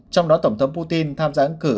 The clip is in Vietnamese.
trong đó tổng thống putin tham gia ứng cử